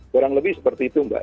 kurang lebih seperti itu mbak